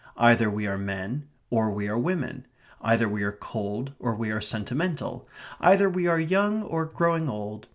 Either we are men, or we are women. Either we are cold, or we are sentimental. Either we are young, or growing old.